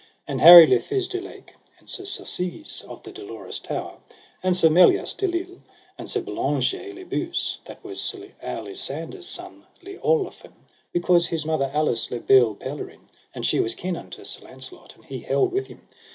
And Harry le Fise du Lake, and Sir Selises of the Dolorous Tower, and Sir Melias de Lile, and Sir Bellangere le Beuse, that was Sir Alisander's son Le Orphelin, because his mother Alice le Beale Pellerin and she was kin unto Sir Launcelot, and he held with him.